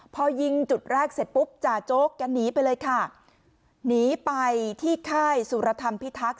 พอยิงจุดแรกเสร็จปุ๊บจ่าโจ๊กแกหนีไปเลยค่ะหนีไปที่ค่ายสุรธรรมพิทักษ